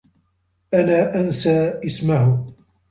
أنا أنسى إسمه.